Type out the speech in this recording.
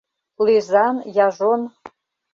Лӧзан, яжон